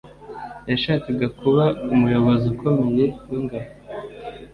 Yashakaga kuba umuyobozi ukomeye wingabo